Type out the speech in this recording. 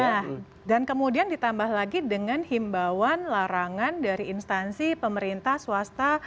nah dan kemudian ditambah lagi dengan himbauan larangan dari instansi pemerintah swasta